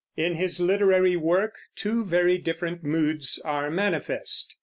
In his literary work two very different moods are manifest.